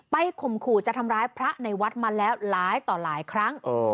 ข่มขู่จะทำร้ายพระในวัดมาแล้วหลายต่อหลายครั้ง